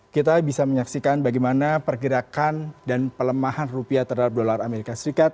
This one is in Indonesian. kita bisa menyaksikan bagaimana pergerakan dan pelemahan rupiah terhadap dolar amerika serikat